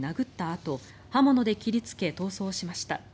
あと刃物で切りつけ逃走しました。